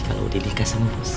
kalau udah nikah sama bos